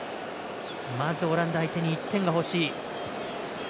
まず、オランダ相手に１点は欲しい。